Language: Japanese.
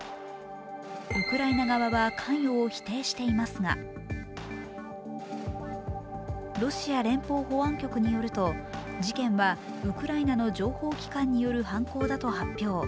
ウクライナ側は関与を否定していますがロシア連邦保安局によると事件はウクライナの情報機関による犯行だと発表。